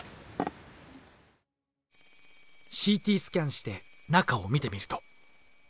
ＣＴスキャンして中を見てみると。